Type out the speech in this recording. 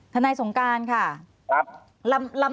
ทนายสงการค่ะ